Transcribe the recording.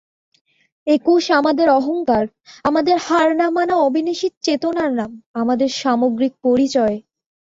একুশ আমাদের অহংকার, আমাদের হার না-মানা অবিনাশী চেতনার নাম, আমাদের সামগ্রিক পরিচয়।